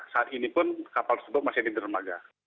saat ini pun kapal tersebut masih ada di dermaga